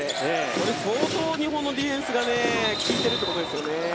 それ、相当日本のディフェンスが効いてるということですね。